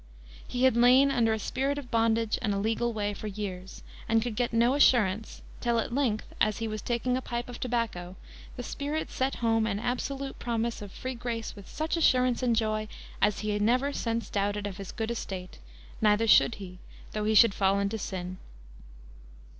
"He had lain under a spirit of bondage and a legal way for years, and could get no assurance, till, at length, as he was taking a pipe of tobacco, the Spirit set home an absolute promise of free grace with such assurance and joy as he never since doubted of his good estate, neither should he, though he should fall into sin.